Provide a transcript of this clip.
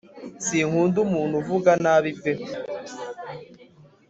Sinkunda umuntu uvuga nabi pe